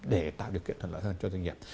để tạo điều kiện thuận lợi hơn cho doanh nghiệp